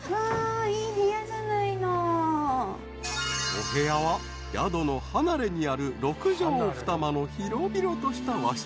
［お部屋は宿の離れにある６畳２間の広々とした和室］